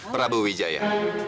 pak prabu wijaya